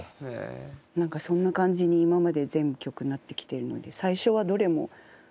なんかそんな感じに今まで全部曲なってきてるので。